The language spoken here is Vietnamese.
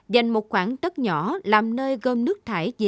dành một khoảng tất nhỏ làm nơi gom nước thải